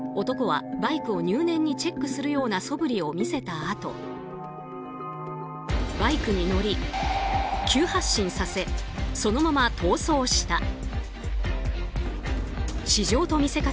男はバイクを入念にチェックするようなそぶりを見せたあとバイクに乗り、急発進させそのまま逃走した。